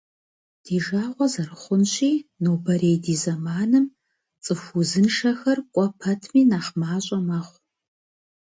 Ди жагъуэ зэрыхъунщи, нобэрей ди зэманым цӏыху узыншэхэр кӏуэ пэтми нэхъ мащӏэ мэхъу.